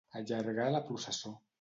Allargar la processó.